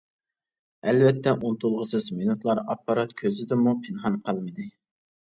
ئەلۋەتتە، ئۇنتۇلغۇسىز مىنۇتلار ئاپپارات كۆزىدىنمۇ پىنھان قالمىدى.